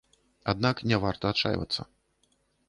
Аднак не варта адчайвацца.